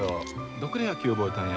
どこで野球覚えたんや？